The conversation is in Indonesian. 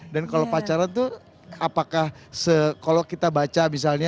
dan kalau pacaran tuh apakah kalau kita baca misalnya